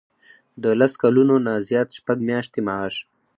د لس کلونو نه زیات شپږ میاشتې معاش.